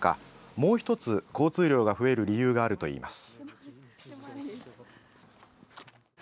もう１つ、交通量が増える理由があるといいます。